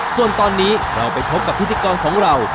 ส่วนตอนนี้เราไปพบกับพิธีกรของเรา